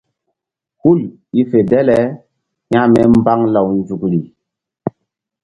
Hul i fe dale hȩkme mbaŋ law nzukri.